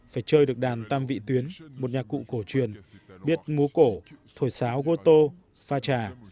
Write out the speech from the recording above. phải chơi được đàn tam vị tuyến một nhạc cụ cổ truyền biết múa cổ thổi sáo goto pha trà